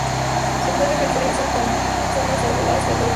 Se encuentran en California y en Arizona con zonas arbolada de robles.